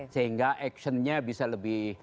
sehingga actionnya bisa lebih